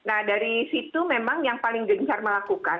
nah dari situ memang yang paling gencar melakukan